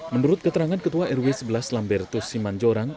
menurut keterangan ketua rw sebelas lambertus simanjorang